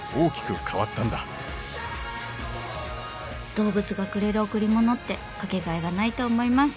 動物がくれる贈り物って掛けがえがないと思います。